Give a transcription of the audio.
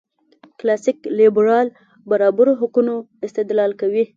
کلاسیک لېبرال برابرو حقوقو استدلال کوي.